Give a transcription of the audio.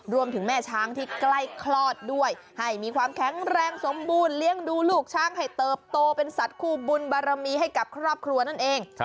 แม่ช้างที่ใกล้คลอดด้วยให้มีความแข็งแรงสมบูรณ์เลี้ยงดูลูกช้างให้เติบโตเป็นสัตว์คู่บุญบารมีให้กับครอบครัวนั่นเอง